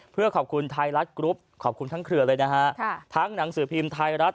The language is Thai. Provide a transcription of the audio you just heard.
เพื่อขอบคุณไทยรัฐกรุ๊ปขอบคุณทั้งเครือเลยนะฮะทั้งหนังสือพิมพ์ไทยรัฐ